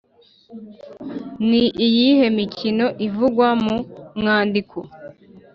ni iyihe mikino ivugwa mu mwandiko?